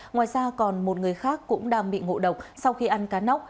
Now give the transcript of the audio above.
ngoài ra còn một người khác cũng đang bị ngộ độc sau khi ăn cá nóc